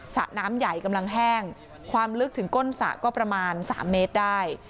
สระน้ำใหญ่กำลังแห้งความลึกถึงก้นสระก็ประมาณ๓เมตรได้